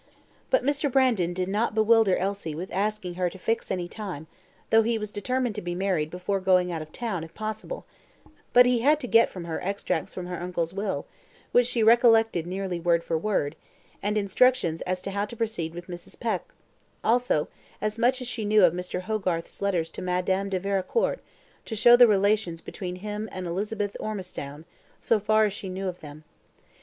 But Mr. Brandon did not bewilder Elsie with asking her to fix any time, though he was determined to be married before going out of town, if possible; but he had to get from her extracts from her uncle's will, which she recollected nearly word for word, and instructions as to how to proceed with Mrs. Peck; also, as much as she knew of Mr. Hogarth's letters to Madame de Vericourt, to show the relations between him and Elizabeth Ormistown, so far as she knew of them.